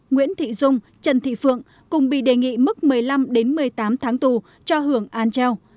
nguyễn thị dung trần thị phượng cùng bị đề nghị mức một mươi năm một mươi tám tháng tù cho hưởng án treo